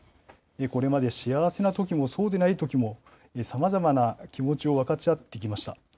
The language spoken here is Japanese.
これまで幸せなときも、そうでないときも、さまざまな気持ちを分かち合ってきました。